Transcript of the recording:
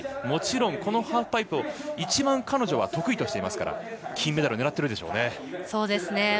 もちろんこのハーフパイプを一番彼女は得意としていますから金メダルを狙っているでしょうね。